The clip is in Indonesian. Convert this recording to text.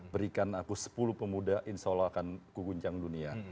berikan aku sepuluh pemuda insya allah akan kuguncang dunia